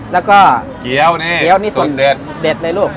แล้วก็เกี้ยวนี่เกี้ยวนี่สุดเด็ดเลยลูก